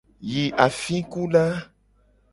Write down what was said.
Yi afikuda.